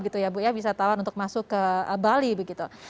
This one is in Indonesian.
itu ya bu ya bisa tawar untuk masuk ke bali begitu